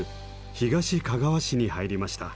東かがわ市に入りました。